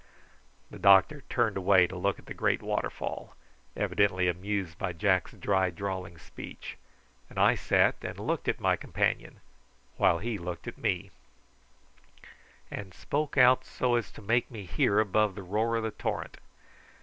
The doctor turned away to look at the great waterfall, evidently amused by Jack's dry drawling speech; and I sat and looked at my companion, while he looked at me, and spoke out so as to make me hear above the roar of the torrent.